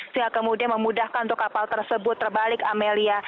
sehingga kemudian memudahkan untuk kapal tersebut terbalik amelia